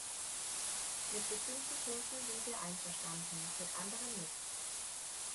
Mit bestimmten Punkten sind wir einverstanden, mit anderen nicht.